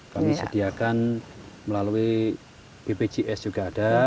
kami sediakan melalui bpjs juga ada